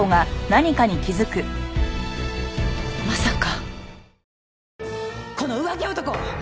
まさか。